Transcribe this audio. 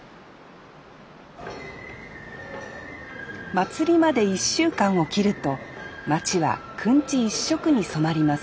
祭りまで１週間をきると町はくんち一色に染まります